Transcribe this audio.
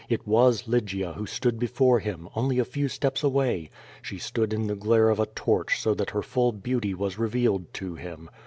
It was Lygia who stood before him, only a few steps away. She stood in the glare of a torch $«(> that her full beauty was revealed to him.